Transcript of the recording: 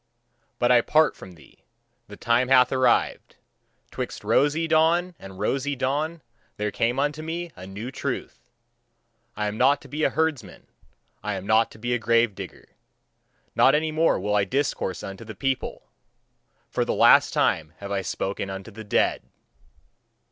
But I part from thee; the time hath arrived. 'Twixt rosy dawn and rosy dawn there came unto me a new truth. I am not to be a herdsman, I am not to be a grave digger. Not any more will I discourse unto the people; for the last time have I spoken unto the dead.